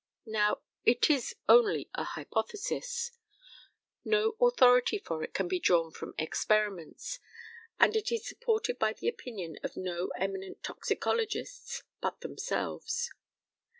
Now, it is only an hypothesis. No authority for it can be drawn from experiments, and it is supported by the opinion of no eminent toxicologists but themselves.